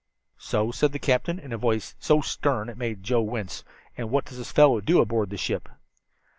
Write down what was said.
"So?" said the captain, in a voice so stern it made Joe wince. "And what does this fellow do aboard the ship?"